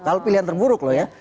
kalau pilihan terburuk loh ya